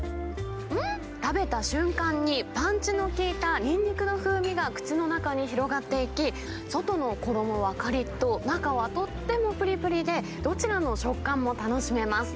うん、食べた瞬間に、パンチの効いたニンニクの風味が口の中に広がっていき、外の衣はかりっと、中はとってもぷりぷりで、どちらの食感も楽しめます。